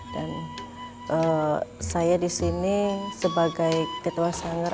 dan saya disini sebagai ketua sanggar